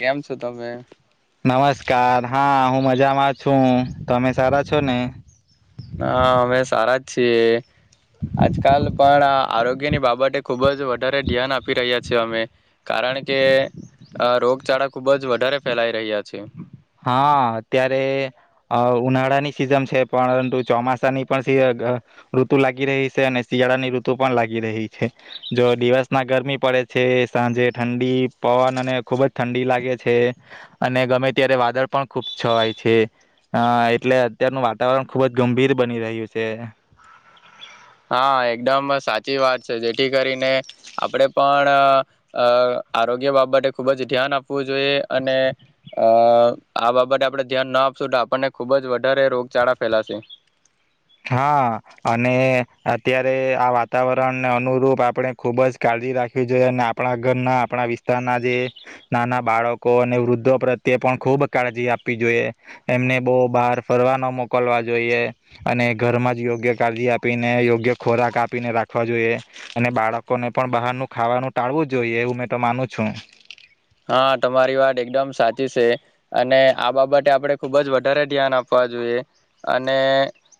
કેમ છો તમે. નમસ્કાર હા હું મજામાં છું તમે સારા છો ને. હા અમે સારા જ છીએ. આજ કાલ પણ આરોગ્યની બાબતે ખુબ જ વધારે ધ્યાન આપી રહ્યા છેએ અમે કારણ કે અ રોગચાળા ખુબ જ વધારે ફેલાઈ રહ્યા છીએ. હા અત્યારે ઉનાળાની સિઝન છે પરંતુ ચોમાસાની પણ ઋતુ લાગી રહી છે અને શિયાળાની ઋતુ પણ લાગી રહી છે જો દિવસ ના ગરમી પડે છે સાંજે ઠંડી પવન અને ખુબ જ ઠંડી લાગે છે અને ગમે. અત્યારે વાદળ પણ ખૂબ છવાય છે અ એટલે અત્યારનું વાતાવરણ ખુબ જ ગંભીર બની રહ્યું છે. હા એકદમ સાચી વાત છે જેથી કરીને આપણેે પણ આ આરોગ્ય બાબતે ખુબ જ ધ્યાન આપવું જોઈએ અને અ આ બાબતે આપણે ધ્યાન ના આપશું તો આપણને ખુબ જ વધારે રોગચાળા ફેલાશે. હા અને અત્યારે આ વાતાવરણને અનુરૂપ આપણે ખુબ જ કાળજી રાખવી જોઈએ અને આપણા ઘરના આપણા વિસ્તારના જે નાના બાળકો અને વૃદ્ધો પ્રત્યે પણ ખૂબ કાળજી આપવી જોઈએ એમને બહુ બહાર ફરવાનો મોકલવા જોઈએ. અને ઘરમાં જ યોગ્ય કાળજી આપીને યોગ્ય ખોરાક આપીને રાખવા જોઈએ અને બાળકોને પણ બહારનું ખાવાનું ટાળવું જોઈએ એું મેં તો માનું છું. હા તમારી વાત એકદમ સાચી છે અને આ બાબતે આપણે ખુબ જ વધારે ધ્યાન આપવા જોઈએ અને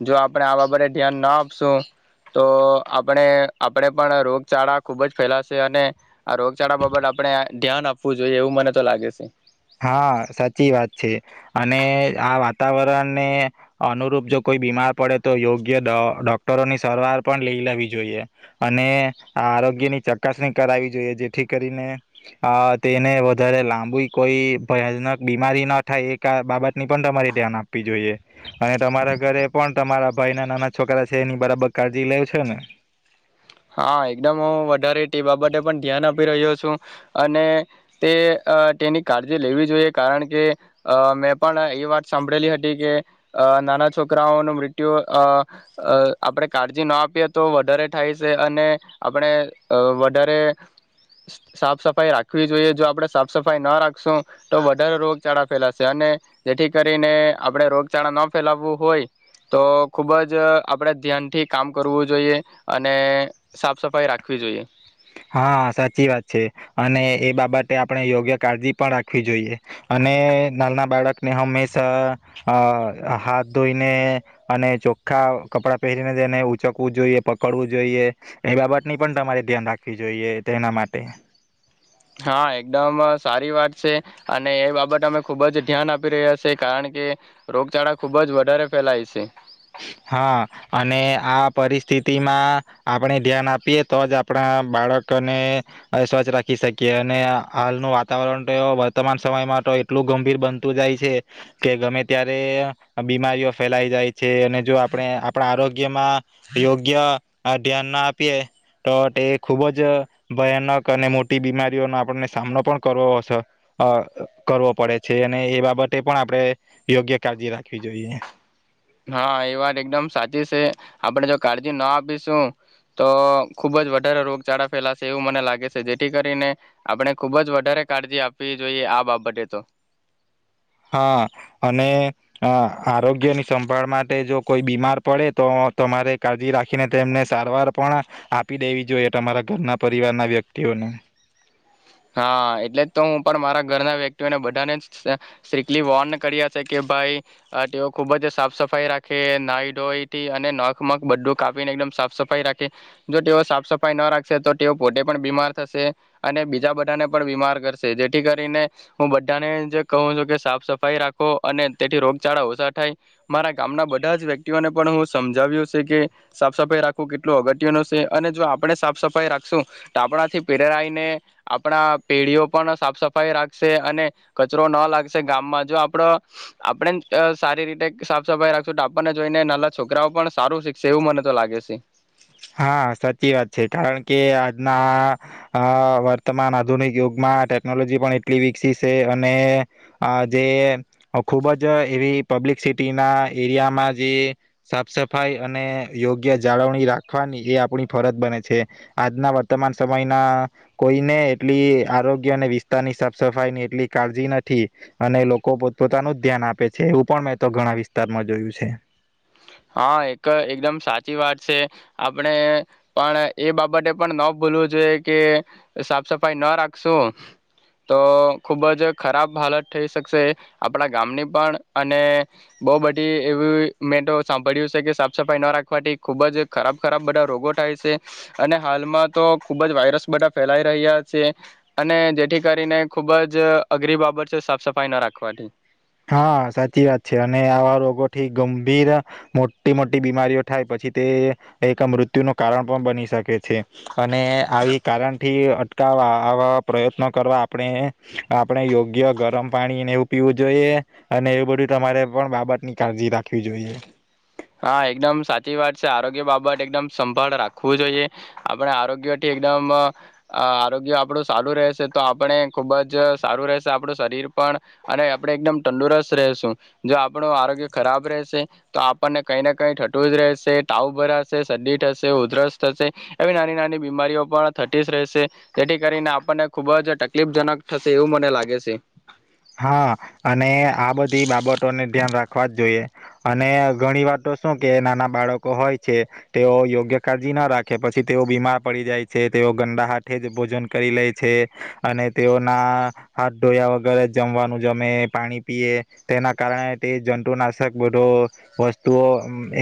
જો આપણે આ બાબતે ધ્યાન ના આપશું તો આપણે આપણે પણ રોગચાળા ખુબ જ ફેલાશે અને. આ રોગચાળા બાબલ આપડ. ધ્યાન આપ. આપવું જોઈએ એવું મને તો લાગે છે. હા સાચી વાત છે અને આ વાતાવરણને અનુરૂપ જો કોઈ બીમાર પડે તો યોગ્ય ડોક્ટરો ની સારવાર પણ લઈ લેવી જોઈએ અને આ આરોગ્યની ચકાસણી કરાવવી જોઈએ જેથી કરીને તેને વધારે લાંબુ. કોઈ ભયાનક બીમારી ના થાય એ બાબતની પણ તમારે ધ્યાન આપવી જોઈએ. અને તમારા ઘરે પણ. તમારા ભાઈ ના નાના છોકરા છે એની બરાબર કાળજી લેવ છે ને. હા એકદમ હું વધારે તે બાબતે પણ ધ્યાન આપી રહ્યો છું અને તે તેની કાળજી લેવી જોઈએ કારણ કે અ મેં પણ એ વાત સાંભળેલી હતી કે નાના છોકરાઓનું મૃત્યુ આપણે કાળજી ના આપીએ તો વધારે થાય. અને આપણે વધારે સાફ સફાઈ રાખવી જોઈએ જો આપણે સાફ સફાઈ ન રાખશું તો વધારે રોગચાળા ફેલાશે અને જેથી કરીને આપણે રોગચાળા ન ફેલાવવું હોય તો ખુબ જ આપણે ધ્યાનથી કામ કરવું જોઈએ. અને સાફ સફાઈ રાખવી જોઈએ. માટે આપણે યોગ્ય કાળજી પણ રાખવી જોઈએ અને નાલના બાળકને હંમેશા અ હાથ ધોઈને અને ચોખ્ખા કપડાં પહેરીને તેને ઉચકવું જોઈએ પકડવું જોઈએ એ બાબત ની પણ તમારે ધ્યાન રાખે. આપવી જોઈએ તે એના માટે. હા એકદમ સારી વાત છે અને એ બાબત અમે ખુબ જ ધ્યાન આપી રહ્યા છે કારણ કે રોગચાળા ખુબ જ વધારે ફેલાય છે. હા અને આ પરિસ્થિતિમાં આપણે ધ્યાન આપીએ તો જ આપણા બાળકને સ્વચ્છ રાખી શકીએ અને હાલનું વાતાવરણ તો વર્તમાન સમયમાં તો એટલું ગંભીર બનતું જાય છે કે ગમે ત્યારે બીમારીઓ ફેલાઈ જાય. છે અને જો આપણે આપણા આરોગ્યમાં યોગ્ય ધ્યાન ના આપીએ તો તે ખૂબ જ ભયાનક અને મોટી બીમારીઓનો આપણને સામનો પણ કરવો કરવો પડે છે અને એ બાબતે પણ આપણે યોગ્ય કાળજી રાખવી જોઈએ. હા એ વાત એકદમ સાચી છે આપણે જો કાળજી ના આપીશું તો ખુબ જ વધારે રોગચાળા ફેલાશે એવું મને લાગે છે જેથી કરીને આપણે ખુબ જ વધારે કાળજી આપવી જોઈએ આ બાબતે તો. હા અને આરોગ્યની સંભાળ માટે જો કોઈ બીમાર પડે તો તમારે કાળજી રાખીને તેમને સારવાર પણ આપી દેવી જોઈએ તમારા ઘરના પરિવારના વ્યક્તિઓને. હા એટલે જ તો હું પણ મારા ઘરના વ્યક્તિઓને બધાને સ્ટ્રીકલી વોર્ન કર્યા છે કે ભાઈ તેઓ ખુબ જ સાફ સફાઈ રાખે નાઈ ડોઈ થી અને નખમખ બધું કાપીને એકદમ સાફ સફાઈ રાખે જો તેઓ સાફ સફાઈ ના રાખશે તો તેઓ પોતે પણ બીમાર થશે અને. બીજા બધાને પણ બીમાર કરશે જેથી કરીને હું બધાને જે કહું છું કે સાફ સફાઈ રાખો અને તેથી રોગચાળા ઓછા થાય મારા ગામના બધા જ વ્યક્તિઓને પણ હું સમજાવ્યું છે કે સાફ સફાઈ રાખવું કેટલું અગત્ય ન છે અને જો આપણે સાફ સફાઈ રાખશું તો આપણાથી પેરાઈને. આપણા પેઢીઓ પણ સાફ સફાઈ રાખશે અને કચરો ન લાગશે ગામમાં જો આપડ આપણે સારી રીતે સાફ સફાઈ રાખશું ટાપણને જોઈને નાના છોકરાઓ પણ સારું શીખશે એવું મને તો લાગે છે. હા સાચી વાત છે કારણ કે આજના વર્તમાન આધુનિક યુગમાં ટેકનોલોજી પણ એટલી વિકસી છે અને આ જે ખુબ જ એવી પબ્લિકસિટીના એરિયામાં જે સાફ સફાઈ અને યોગ્ય જાળવણી રાખ. રાખવાની એ આપણી ફરજ બને છે આજના વર્તમાન સમયના કોઈને એટલી આરોગ્ય અને વિસ્તારની સાફ સફાઈ ની એટલી કાળજી નથી અને લોકો પોત પોોતાનું જ ધ્યાન આપે છે એવું પણ મેં તો ઘણા વિસ્તારમાં જોયું છે. હા એક એકદમ સાચી વાત છે આપણે પણ એ બાબતે પણ ન ભૂલવું જોઈએ કે સાફ સફાઈ ન રાખશું તો ખુબ જ ખરાબ હાલત થઈ શકશે આપણા ગામની પણ અને બહુ બધી એવી મેો. સાંભળ્યું છે કે સાફ સફાઈ ના રાખવાથી ખુબ જ ખરાબ ખરાબ બધા રોગો થાય છે અને હાલમાં તો ખુબ જ વાયરસ બધા ફેલાઈ રહ્યા છે અને જેથી કરીને ખુબ જ અઘરી બાબત છે સાફ સફાઈ ના રાખવાથી. હા સાચી વાત છે અને આવા રોગો થી ગંભીર મોટી મોટી બીમારીઓ થાય પછી તે એક મૃત્યુ નું કારણ પણ બની શકે છે અને આવી કારણથી અટકાવવા આવા પ્રયત્નો કરવા આપણે આપણે યોગ્ય ગરમ પાણીને એવું પીવું. જોઈએ અને એવું બધું તમારે પણ બાબતની કાળજી રાખવી જોઈએ. હા એકદમ સાચી વાત છે આરોગ્ય બાબત એકદમ સંભાળ રાખવું જોઈએ આપણે આરોગ્ય થી એકદમ આરોગ્ય આપણું સારું રહેશે તો આપણે ખુબ જ સારું રહેશે આપણું શરીર પણ અને આપણે એકદમ તંદુરસ્ત રહેશું જો આપણું આરોગ્ય ખરાબ રહેશે તો. આપણને કઈ ને કઈ થટું જ રહેશે તાવ ભરાશે શરદી થશે ઉધરસ થશે એવી નાની નાની બીમારીઓ પણ થતી જ રહેશે જેથી કરીને આપણને ખુબ જ તકલીફજનક થશે એવું મને લાગે છે. હા અને આ બધી બાબતોને ધ્યાન રાખવા જ જોઈએ. અને ઘણી વાત તો શું કે નાના બાળકો હોય છે તેઓ યોગ્ય કાળજી ના રાખે પછી તેઓ બીમાર પડી જાય છે તેઓ ગંદા હાથે જ ભોજન કરી લે છે અને તેઓના હાથ ડોયા વગેરે. જમવાનું જમે પાણી પીએ તેના કારણે તે જંતુનાશક બધો વસ્તુઓ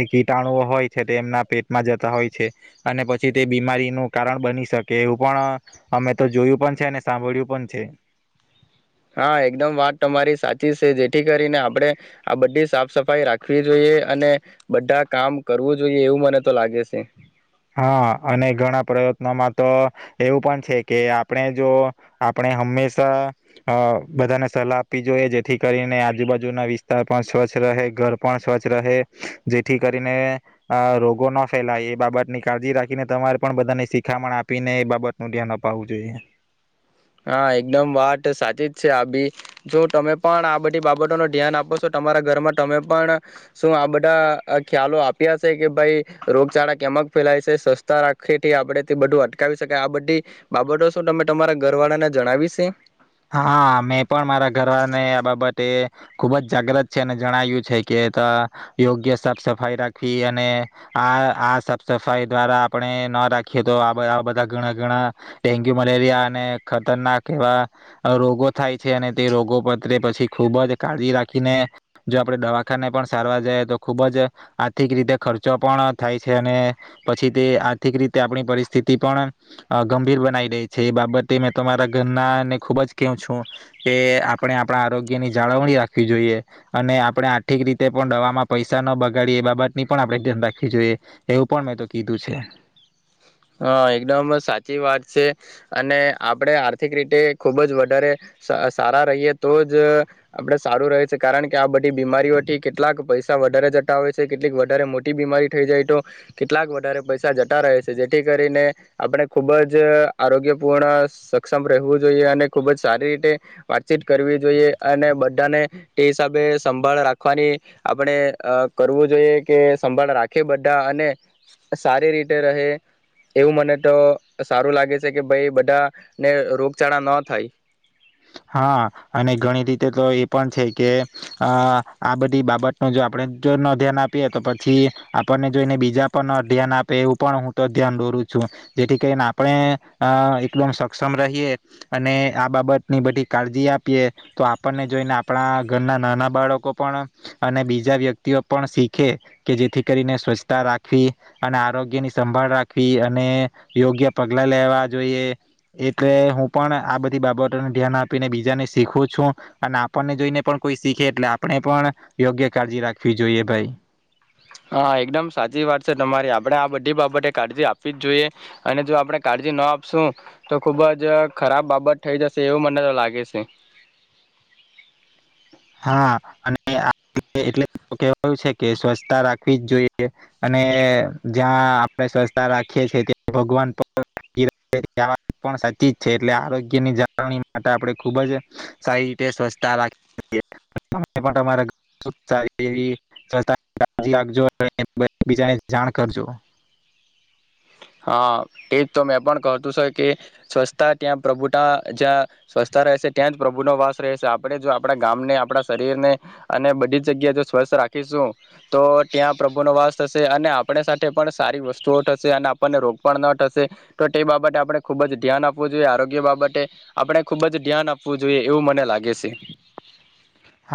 એ કીટાણુઓ હોય છે તે એમના પેટમાં જતા હોય છે અને પછી તે બીમારીનું કારણ બની શકે એવું પણ અમે તો જોયું પણ છે અને સાંભળ્યું પણ છે. હા એકદમ વાત તમારી સાચી છે જેથી કરીને આપણેે આ બધી સાફ સફાઈ રાખવી જોઈએ અને બધા કામ કરવું જોઈએ એવું મને તો લાગે છે. હા અને ઘણા પ્રયત્નોમાં તો એવું પણ છે કે આપણે જો આપણે હંમેશા બધાને સલાહ આપવી જોઈએ જેથી કરીને આજુબાજુના વિસ્તાર પણ સ્વચ્છ રહે ઘર પણ સ્વચ્છ રહે જેથી કરીને રોગો ન ફેલાય એ બાબતની. કાળજી રાખીને તમારે પણ બધાને શીખામણ આપીને એ બાબતનું ધ્યાન અપાવવું જોઈએ. હા એકદમ વાત સાચી જ છે આ બી જો તમે પણ આ બધી બાબતો ન ધ્યાન આપો છો તમારા ઘરમાં તમે પણ શું આ બધા ખ્યાલો આપ્યા છે કે ભાઈ રોગચાળા કેમક ફેલાય છે સસ્તા રાખેથી આપડે થી બધું અટકાવી શકાય આ બધી બાબતો શું તમે તમારા. ગરવાડા ના જણાવી છે. હા મેં પણ મારા ઘરને આ બાબતે ખુબ જ જાગ્રત છે અને જણાવ્યું છે કે યોગ્ય સાફ સફાઈ રાખવી અને આ આ સાફ સફાઈ દ્વારા આપણે ન રાખીએ તો બધા ઘણા ગણા ડેન્ગ્યુ મલેરિયા અને ખતરનાક એવા. રોગો થાય છે અને તે રોગો પત્ર પછી ખુબ જ કાળજી રાખીને જો આપણેે દવાખાને પણ સારવાર જાય તો ખુબ જ આર્થિક રીતે ખર્ચો પણ થાય છે અને પછી તે આર્થિક રીતે આપણી પરિસ્થિતિ પણ ગંભીર બનાવી રહી છે એ બાબતે મેં તમારા ઘરના. ખુબ જ કેવું છું કે આપણે આપણા આરોગ્ય ની જાળવણી રાખવી જોઈએ અને આપણે આર્થિક રીતે પણ દવામાં પૈસા ન બગાડીએ એ બાબતની પણ આપણે ધ્યાન રાખું જોઈએ એવું પણ મેં તો કીધું છે. હા એકદમ સાચી વાત છે અને આપડે આર્થિક રીતે ખુબ જ વધારે સારા રહીએ તો જ આપડે સારું રહે છે કારણ કે આ બધી બીમારીઓથી કેટલાક પૈસા વધારે જતા હોય છે કેટલીક વધારે મોટી બીમારી થઈ જાય તો કેટલાક વધારે પૈસા જતા રહે છે જે. તેથી કરીને આપણે ખૂબ જ આરોગ્યપૂર્ણ સક્ષમ રહેવું જોઈએ અને ખૂબ જ સારી રીતે વાતચીત કરવી જોઈએ અને બધાને તે હિસાબે સંભાળ રાખવાની આપણે કરવું જોઈએ કે સંભાળ રાખી બધા અને સારી રીતે રહે. એવું મને તો સારું લાગે છે કે ભાઈ બધા ને, રોગચાળા ન થાય. હા, અને ઘણી રીતે તો એ પણ છે કે, આ બધી બાબત ન જો આપણે જો ન ધ્યાન આપીએ તો પછી, આપણને જોઈને બીજા પર ન ધ્યાન આપે એવું પણ હું તો ધ્યાન દોરું છું, જેથી કરીને આપણે એકદ સક્ષમ રહીએ, અને આ બાબત. ની બધી કાળજી આપીએ, તો આપણને જોઈને આપણા ઘરના નાના બાળકો પણ, અને બીજા વ્યક્તિઓ પણ શીખે, કે જેથી કરીને સ્વચ્છતા રાખવી, અને આરોગ્યની સંભાળ રાખવી અને યોગ્ય પગલાં લેવા જોઈએ એટલે હું પણ આ બધી બાબત ધ્યાન આપીને બીજાને શીખું છું, અને આપણને જોઈને પણ કોઈ શીખે એટલે આપણે પણ, યોગ્ય કાળજી રાખવી જોઈએ ભાઈ. હા એકદમ સાચી વાત છે તમારી આપણે આ બધી બાબતે કાળજી આપવી જ જોઈએ, અને જો આપણે કાળજી ના આપશું, તો ખુબ જ ખરાબ બાબત થઈ જશે એવું મને તો લાગે છે. હા એટલે કેવાયું છે કે સ્વચ્છતા રાખવી જ જોઈએ, અને જ્યાં આપણે સ્વચ્છતા રાખીએ છી ભગવાન પણ સાચી છે, એટલે આરોગ્ય ની જાળવણી માટે આપણે ખુબ જ સારી રીતે સ્વચ્છતા રાખી. વીજો બીજાને જાણ કરજો. [unintelligible] હા એ જ તો મેં પણ કહતું છે કે, સ્વચ્છતા ત્યાં પ્રભુ ત જ્યાં સ્વચ્છતા રહેશે ત્યાં જ પ્રભુનો વાસ રહેશે આપણે જો આપણા ગામને આપણા શરીરને, અને બધી જ જગ્યાએ જો સ્વચસ્થ રાખીશું, તો ત્યાં પ્રભુનો વાસ થશે અને આપણે સાથે પણ સારી વસ્તુઓ થશે અને આપને રોગ પણ ના થશે, તો તે બાબતે આપણે ખુબ જ ધ્યાન આપવું જોઈએ આરોગ્ય બાબતે, આપણે ખુબ જ ધ્યાન આપવું જોઈએ એવું મને લાગે છે.